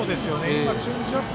今、チェンジアップ。